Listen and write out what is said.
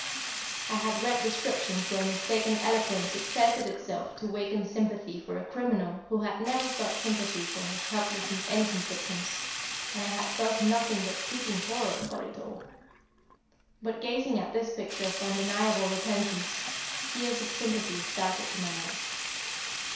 I had read descriptions where mistaken eloquence exerted itself to waken sympathy for a criminal who had never felt sympathy for his helpless and innocent victims, and I had felt nothing but creeping horror for it all. But gazing at this picture of undeniable repentance, tears of sympathy started to my eyes.